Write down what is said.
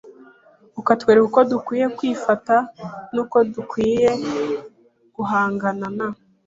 ukatwereka uko dukwiye kwifata n’uko dukwiye guhangana n